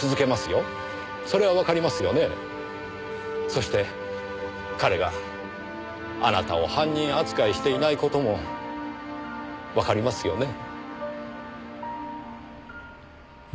そして彼があなたを犯人扱いしていない事もわかりますよね？